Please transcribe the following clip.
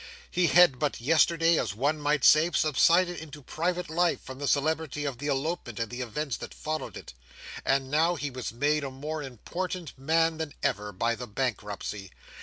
He had but yesterday, as one might say, subsided into private life from the celebrity of the elopement and the events that followed it; and now he was made a more important man than ever, by the bankruptcy.